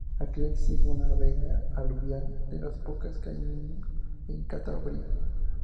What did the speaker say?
Aquí existe una vega aluvial, de las pocas que hay en Cantabria.